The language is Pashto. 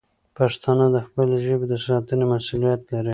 پښتانه د خپلې ژبې د ساتنې مسوولیت لري.